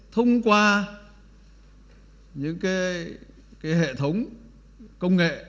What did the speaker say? thông qua những hệ thống công nghệ